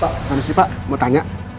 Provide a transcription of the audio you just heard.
pak namasih pak mau tanya